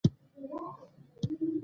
هغه د حملې له خطر څخه اندېښمن نه دی.